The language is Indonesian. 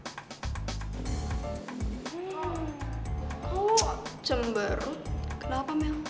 kok cemberu kenapa mel